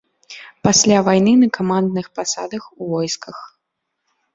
Пасля вайны на камандных пасадах у войсках.